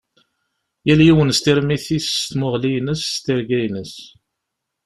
Yal yiwen s tirmit-is, s tmuɣli-ines, s tirga-ines.